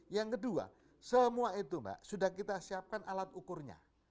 yang kedua semua itu mbak sudah kita siapkan alat ukurnya